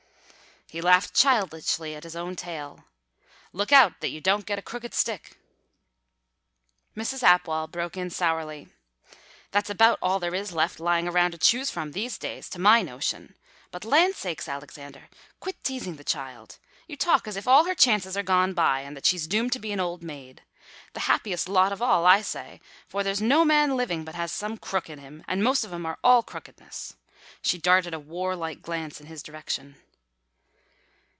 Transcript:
He laughed childishly at his own tale. "Look out that you don't get a crooked stick!" Mrs. Apwall broke in sourly. "That's about all there is left lying around to choose from these days, to my notion. But land sakes, Alexander, quit teasing the child. You talk as if all her chances are gone by and that she's doomed to be an old maid. The happiest lot of all, I say, for there's no man living but has some crook in him, and most of 'em are all crookedness." She darted a warlike glance in his direction.